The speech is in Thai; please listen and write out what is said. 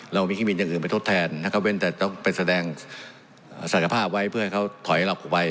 เรามีเครื่องบินอย่างอื่นไปทดแทนถ้าเค้าเป็นแสดงศักดิ์ภาพไว้เพื่อให้เค้าถอยให้เราออกไป